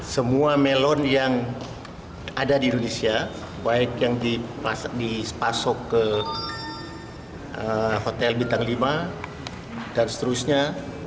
semua melon yang ada di indonesia baik yang dipasok ke hotel bintang lima dan seterusnya